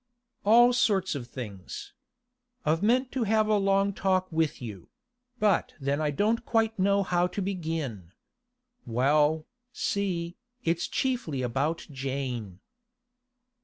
'All sorts of things. I've meant to have a long talk with you; but then I don't quite know how to begin. Well, see, it's chiefly about Jane.